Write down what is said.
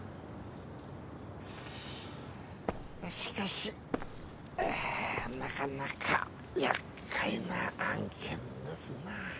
しかしなかなかやっかいな案件ですな。